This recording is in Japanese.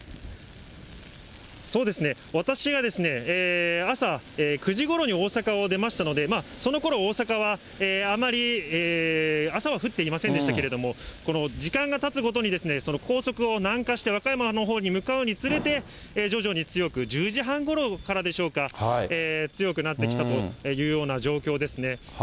私が朝９時ごろに大阪を出ましたので、そのころ、大阪はあまり朝は降っていませんでしたけれども、時間がたつごとに、高速を南下して和歌山のほうに向かうにつれて、徐々に強く、１０時半ごろからでしょうか、強くなってきたというような状況ですね。